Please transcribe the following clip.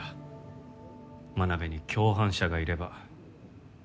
真鍋に共犯者がいれば。